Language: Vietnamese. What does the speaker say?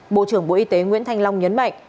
bộ trưởng bộ y tế nguyễn thanh long nhấn mạnh